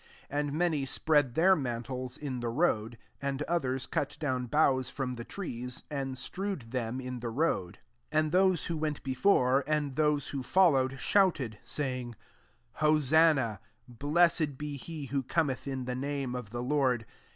8 And many spread their mantles in the road: and others cut down boughs from the trees, and strewed them in the road. 9 And those wtio went be fore, and those who followed* shouted, [^saying,] " Hosanna : Blessed ^ he who cometh in the name of the Lord.